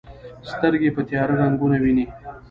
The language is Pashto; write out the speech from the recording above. سترګې په تیاره رنګونه ویني.